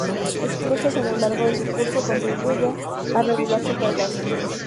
Esclusas a lo largo de su curso contribuyen a regular su caudal.